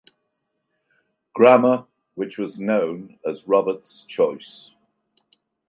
Grammar, which was known as Robert's Choice.